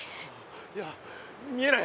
いや見えない。